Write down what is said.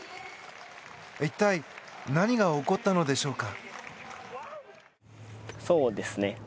一体何が起こったのでしょうか。